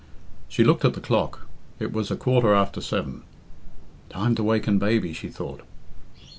She looked at the clock it was a quarter after seven. "Time to waken baby," she thought.